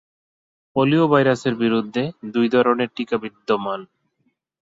Polio ভাইরাসের বিরুদ্ধে দুই ধরনের টিকা বিদ্যমান।